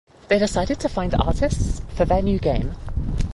They decided to find artists for their new game.